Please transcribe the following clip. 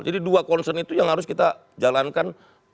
jadi dua concern itu yang harus kita jalankan